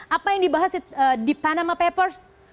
apa yang dibahas di panama papers